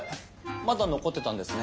まだ残ってたんですね。